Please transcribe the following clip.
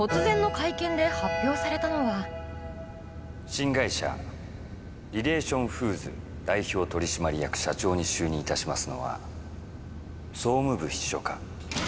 突然の新会社リレーション・フーズ代表取締役社長に就任いたしますのは総務部秘書課。